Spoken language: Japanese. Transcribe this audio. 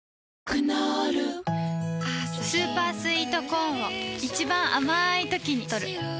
クノールスーパースイートコーンを一番あまいときにとる